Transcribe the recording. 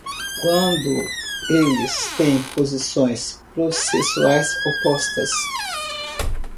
Quando eles têm posições processuais opostas.